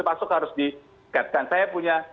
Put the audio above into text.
masuk harus diikatkan saya punya